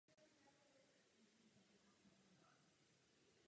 Brouci této čeledi jsou celosvětově rozšířeni.